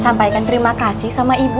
sampaikan terima kasih sama ibu